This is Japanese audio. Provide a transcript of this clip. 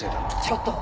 ちょっと！